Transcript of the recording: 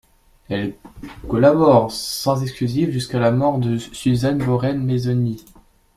Elles collaborent, sans exclusive, jusqu’à la mort de Suzanne Borel Maisonny.